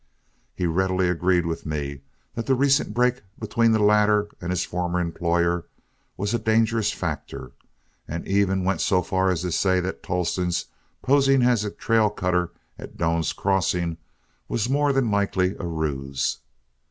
He readily agreed with me that the recent break between the latter and his former employer was a dangerous factor, and even went so far as to say that Tolleston's posing as a trail cutter at Doan's Crossing was more than likely a ruse.